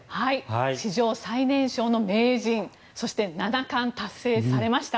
史上最年少の名人そして、七冠達成されました。